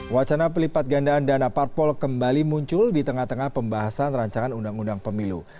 wacana pelipat gandaan dana parpol kembali muncul di tengah tengah pembahasan rancangan undang undang pemilu